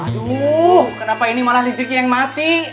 aduh kenapa ini malah listriknya yang mati